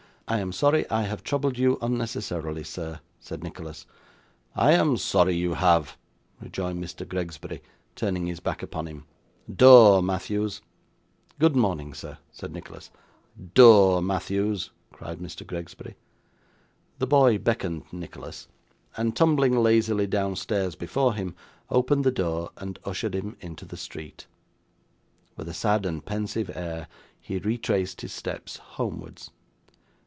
'I am sorry I have troubled you unnecessarily, sir,' said Nicholas. 'I am sorry you have,' rejoined Mr. Gregsbury, turning his back upon him. 'Door, Matthews!' 'Good morning, sir,' said Nicholas. 'Door, Matthews!' cried Mr. Gregsbury. The boy beckoned Nicholas, and tumbling lazily downstairs before him, opened the door, and ushered him into the street. With a sad and pensive air, he retraced his steps homewards.